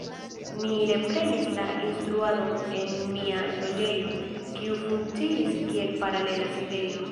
Ni reprenis la instruadon en mia loĝejo, kiu funkciis kiel paralela sidejo.